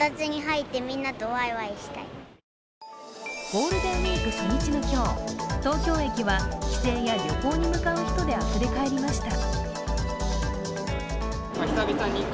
ゴールデンウイーク初日の今日、東京駅は帰省や旅行に向かう人であふれ返りました。